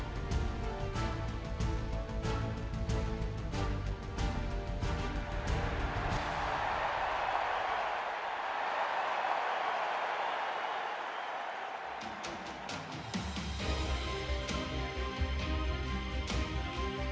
bahagia akan datang untuk kita semua disini